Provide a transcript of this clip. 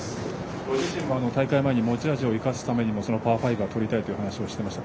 ご自身も、大会前に持ち味を生かすためにパー５をとりたいという話をしていました。